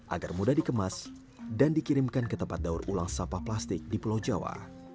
agar mudah dikemas dan dikirimkan ke tempat daur ulang sampah plastik di pulau jawa